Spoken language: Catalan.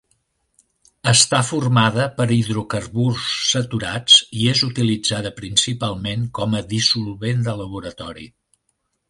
Està formada per hidrocarburs saturats i és utilitzada principalment com a dissolvent de laboratori.